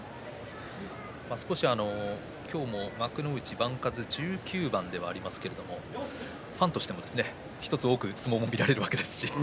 少し今日も幕内の番数は１９番ありますがファンとしては１つ多く相撲を見られるわけです。